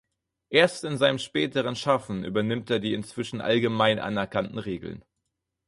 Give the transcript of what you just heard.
Erst in seinem späteren Schaffen übernimmt er die inzwischen allgemein anerkannten Regeln.